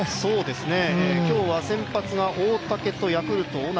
今日は先発が大竹とヤクルト・尾仲。